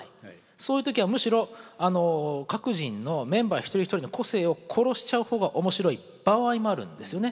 そういう時はむしろ各人のメンバー一人一人の個性を殺しちゃう方が面白い場合もあるんですよね。